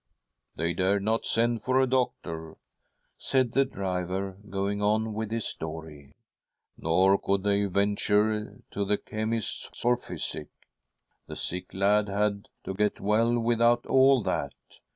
"They dared not send for a doctor," said the ■driver, going on with his story, "nor could they venture to the chemist's for physic. The sick lad had to get well without all that.